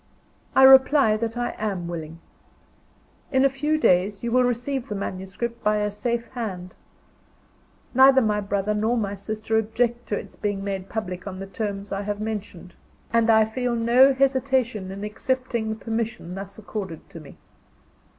I reply that I am willing. In a few days, you will receive the manuscript by a safe hand. Neither my brother nor my sister object to its being made public on the terms I have mentioned; and I feel no hesitation in accepting the permission thus accorded to me.